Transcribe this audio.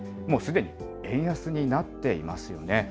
もうすでに円安になっていますよね。